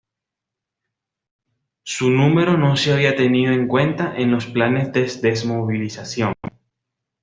Su número no se había tenido en cuenta en los planes de desmovilización.